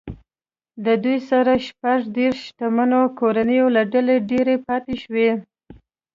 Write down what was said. د دوه سوه شپږ دېرش شتمنو کورنیو له ډلې ډېرې پاتې شوې.